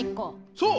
そう！